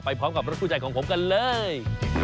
ไปพร้อมกับรักษุใจของผมกันเลย